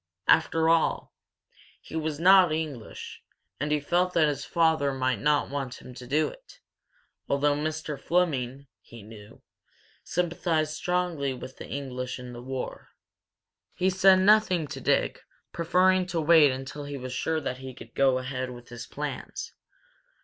After all, he was not English, and he felt that his father might not want him to do it, although Mr. Fleming, he knew, sympathized strongly with the English in the war. He said nothing to Dick, preferring to wait until he was sure that he could go ahead with his plans.